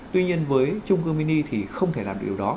tuy nhiên với trung cư mini thì không thể làm điều đó